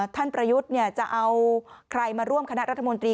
ประยุทธ์จะเอาใครมาร่วมคณะรัฐมนตรี